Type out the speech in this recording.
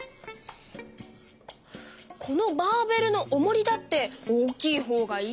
このバーベルのおもりだって大きいほうがいい。